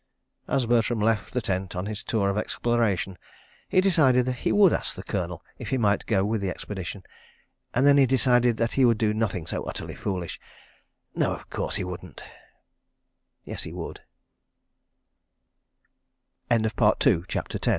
As Bertram left the tent on his tour of exploration he decided that he would ask the Colonel if he might go with the expedition, and then he decided that he would do nothing so utterly foolish. ... No, of course he wouldn't. .